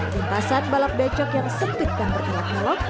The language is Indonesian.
pintasan balap becak yang sempit dan berkelak kelok